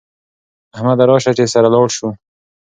احمده راسه چې سره لاړ سو